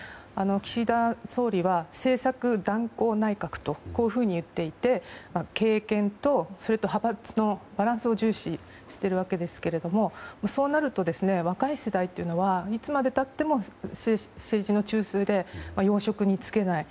岸田総理は政策断行内閣と言っていて経験と、派閥のバランスを重視しているわけですけどそうなると、若い世代はいつまで経っても政治の中枢で要職に就けない。